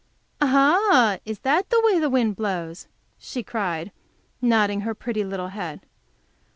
"Ah! is that the way the wind blows?" she cried, nodding her pretty little head.